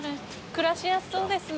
暮らしやすそうですね。